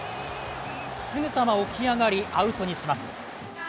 すぐさま起き上がりアウトにします。